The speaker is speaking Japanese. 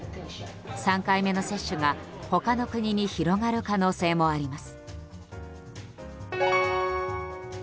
３回目の接種が他の国に広がる可能性もあります。